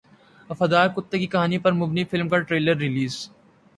وفادار کتے کی کہانی پر مبنی فلم کا ٹریلر ریلیز